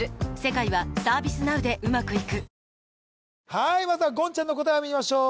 はいまずは言ちゃんの答えを見ましょう